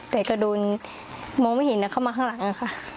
แต่ก็โดนมองไม่เห็นเข้ามาข้างหลังอะค่ะ